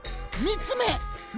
みっつめ！